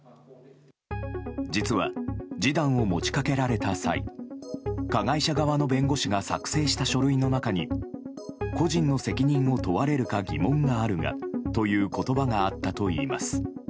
実は、示談を持ち掛けられた際加害者側の弁護士が作成した書類の中に個人の責任を問われるか疑問があるがという言葉があったといいます。